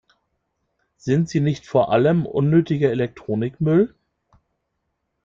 Sind sie nicht vor allem unnötiger Elektromüll?